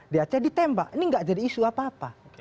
di aceh ditembak ini gak jadi isu apa apa